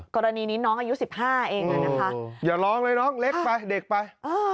กรณีนี้น้องอายุ๑๕เองนะคะอย่าร้องเลยน้องเล็กไปเด็กไป